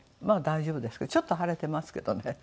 まあ大丈夫ですけどちょっと腫れてますけどね